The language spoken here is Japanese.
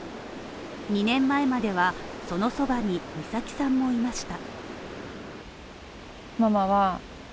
２年前までは、そのそばに美咲さんもいました。